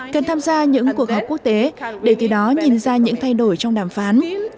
cần tham gia những cuộc họp quốc tế để từ đó nhìn ra những thay đổi trong đàm phán